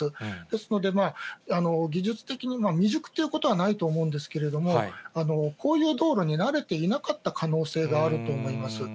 ですので、技術的には未熟ということはないと思うんですけれども、こういう道路に慣れていなかった可能性があると思います。